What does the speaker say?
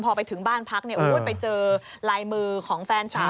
พอไปถึงบ้านพักไปเจอลายมือของแฟนสาว